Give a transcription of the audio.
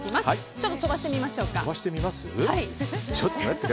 ちょっと飛ばしてみましょう。